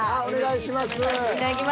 お願いします。